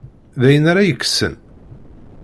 D ayen ara yekksen?